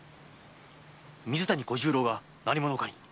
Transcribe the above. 水谷小十郎が何者かに。